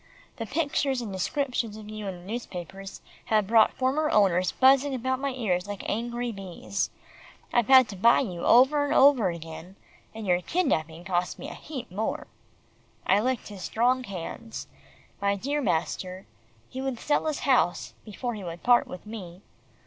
The pictures and descriptions of you in the newspapers have brought former owners buzzing about my ears like angry bees. I've had to buy you over and over again, and your kidnapping cost me a heap more." I licked his strong hands. My dear master he would sell his house, before he would part with me.